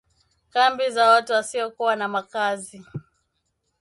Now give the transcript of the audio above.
kambi za watu wasiokuwa na makazi